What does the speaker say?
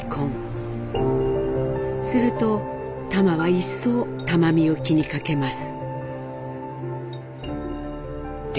するとタマは一層玉美を気に掛けます。